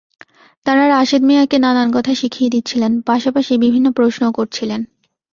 তাঁরা রাশেদ মিয়াকে নানান কথা শিখিয়ে দিচ্ছিলেন, পাশাপাশি বিভিন্ন প্রশ্নও করছিলেন।